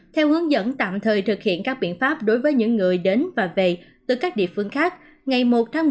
theo hướng dẫn tạm thời thực hiện các biện pháp đối với những người đến và về từ các địa phương khác ngày một tháng một mươi một năm hai nghìn hai mươi một